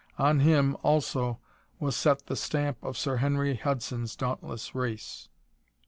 On him, also, was set the stamp of Sir Henry Hudson's dauntless race.